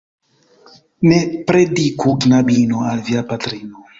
Ne prediku knabino al via patrino.